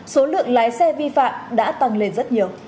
số lượng lái xe vi phạm đã tăng lên rất nhiều